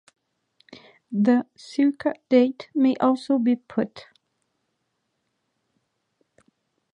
The circa date may also be put.